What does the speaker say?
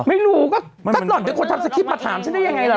ไม่รู้ก็ตั้งแต่คนทำสคริปต์มาถามฉันได้ยังไงล่ะ